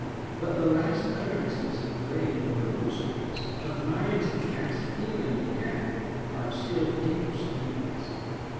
But the last utterances of great and noble spirits, of minds of vast feeling and depth, are of still deeper significance.